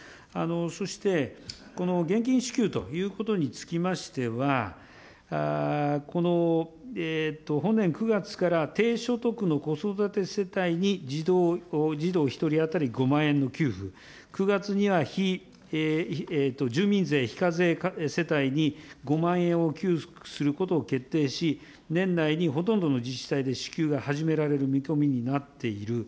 そして、この現金支給ということにつきましては、本年９月から、低所得の子育て世帯に児童１人当たり５万円の給付、９月には住民税非課税世帯に５万円を給付することを決定し、年内にほとんどの自治体で支給が始められる見込みになっている。